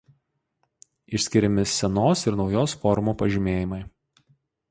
Išskiriami senos ir naujos formų pažymėjimai.